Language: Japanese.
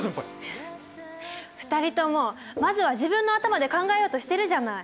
２人ともまずは自分の頭で考えようとしてるじゃない。